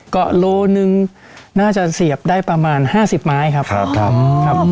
โลหนึ่งน่าจะเสียบได้ประมาณ๕๐ไม้ครับครับ